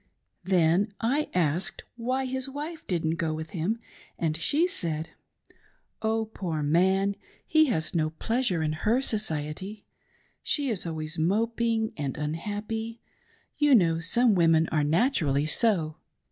Then I asked why his wife didn't go with him, and she said: "Oh, poor man ! he has no pleasure 'vdher society. She is always moping and unhappy ; you know, some women are naturally so.